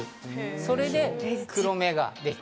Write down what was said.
それで黒目ができる。